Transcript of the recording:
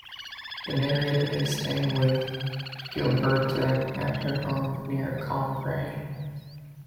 The Narrator is staying with Gilberte at her home near Combray.